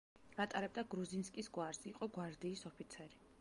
ატარებდა გრუზინსკის გვარს, იყო გვარდიის ოფიცერი.